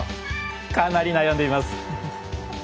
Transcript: かなり悩んでいます。